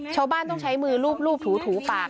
ชาวบ้านต้องใช้มือลูบถูปาก